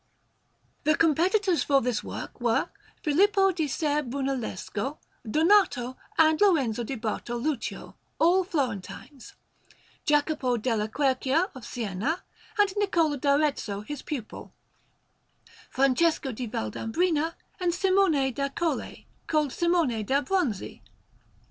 The competitors for this work were Filippo di Ser Brunellesco, Donato, and Lorenzo di Bartoluccio, all Florentines; Jacopo della Quercia of Siena, and Niccolò d'Arezzo, his pupil; Francesco di Valdambrina; and Simone da Colle, called Simone de' Bronzi.